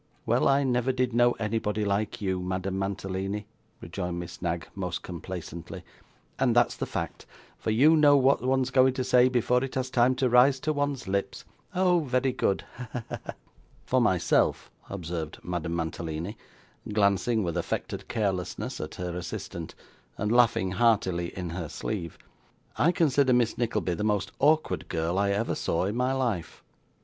'Well, I never did know anybody like you, Madame Mantalini,' rejoined Miss Knag most complacently, 'and that's the fact, for you know what one's going to say, before it has time to rise to one's lips. Oh, very good! Ha, ha, ha!' 'For myself,' observed Madame Mantalini, glancing with affected carelessness at her assistant, and laughing heartily in her sleeve, 'I consider Miss Nickleby the most awkward girl I ever saw in my life.